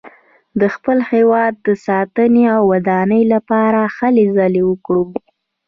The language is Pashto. د خپل هېواد ساتنې او ودانۍ لپاره هلې ځلې وکړو.